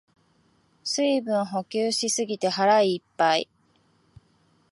水分補給しすぎて腹いっぱい